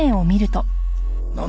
なんだ？